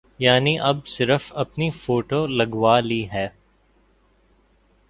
یعنی اب صرف اپنی فوٹو لگوا لی ہے۔